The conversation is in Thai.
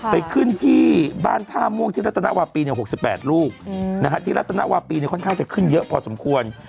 ไปขึ้นที่บ้านท่าม่วงที่รัฐนาวาปี๖๘ลูกที่รัฐนวาปีค่อนข้างจะขึ้นเยอะพอสมควร